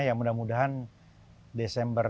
ya mudah mudahan desember di dua ribu dua puluh tiga